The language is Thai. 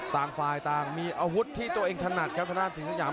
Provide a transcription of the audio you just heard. ต่างฝ่ายต่างมีอาวุธที่ตัวเองถนัดครับทางด้านสิงสยาม